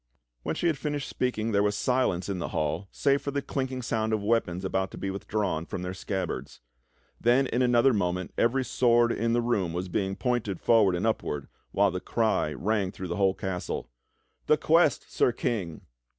When she had finished speaking there was silence in the hall save for the clinking sound of weapons about to be withdrawn from their scabbards. Then in another moment every sword in the room was being pointed forward and upward, while the cry rang through the whole castle: "The quest. Sir King!"